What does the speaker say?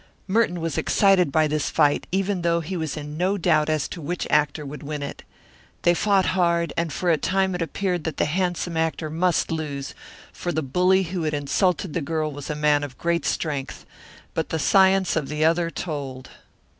Merton was excited by this fight, even though he was in no doubt as to which actor would win it. They fought hard, and for a time it appeared that the handsome actor must lose, for the bully who had insulted the girl was a man of great strength, but the science of the other told.